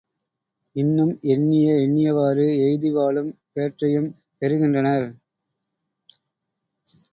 இன்னும் எண்ணிய எண்ணியவாறு எய்திவாழும் பேற்றையும் பெறுகின்றனர்.